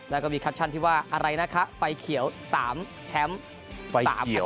แล้วก็มีแคปชั่นที่ว่าอะไรนะคะไฟเขียว๓แชมป์๓ประตู